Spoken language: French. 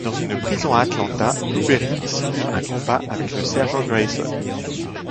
Dans une prison à Atlanta, Blueberry simule un combat avec le sergent Grayson.